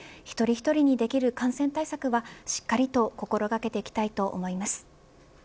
一人一人にできる感染対策はしっかりと心掛けていきたいと思います。